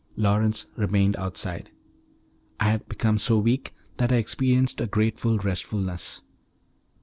Lawrence remained outside. I had become so weak that I experienced a grateful restfulness.